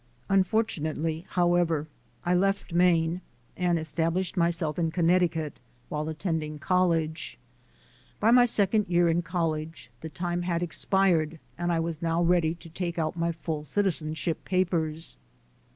Unfortunately, however, I left Maine and estab lished myself in Connecticut while attending college. By my second year in college, the time had expired, and I was now ready to take out my full citizenship papers.